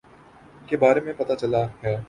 کے بارے میں پتا چلا ہے